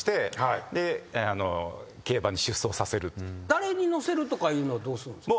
誰に乗せるとかいうのはどうするんですか？